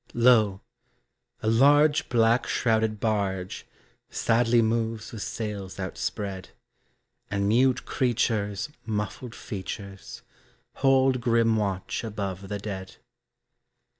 Lo, a large black shrouded barge Sadly moves with sails outspread, And mute creatures' muffled features Hold grim watch above the dead.